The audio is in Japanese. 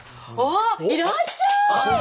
あっいらっしゃい！